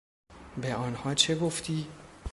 به آنها چه گفتی؟